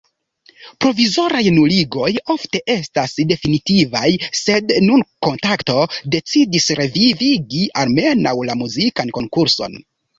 Provizoraj nuligoj ofte estas definitivaj, sed nun Kontakto decidis revivigi almenaŭ la muzikan konkurson.